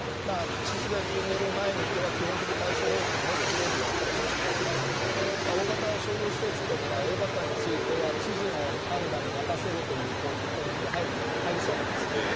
知事が決める前に、これは基本的対処方針のほうで政府がやっぱり方針出しますので、大型商業施設とか、映画館については、知事の判断に任せるという項目が入りそうなんですよね。